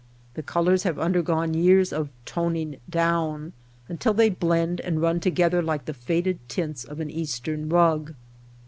The colors have undergone years of ^' toning down ^' until they blend and run together like the faded tints of an Eastern rug.